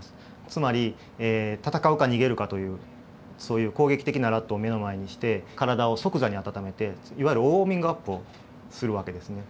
つまり戦うか逃げるかというそういう攻撃的なラットを目の前にして体を即座に温めていわゆるウォーミングアップをする訳ですね。